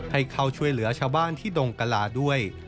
ให้เข้าช่วยเหลือชาวบ้านที่ดงกะลาด้วย